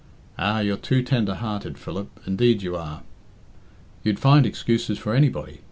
Ah! you're too tender hearted, Philip, indeed you are. You'd find excuses for anybody.